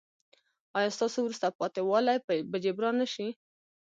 ایا ستاسو وروسته پاتې والی به جبران نه شي؟